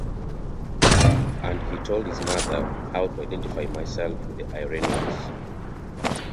And he told his mother how to identify myself with the Iranians.